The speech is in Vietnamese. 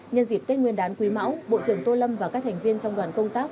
nhân dịp tết nguyên đán quý máu bộ trưởng tô lâm và các thành viên trong đoàn công tác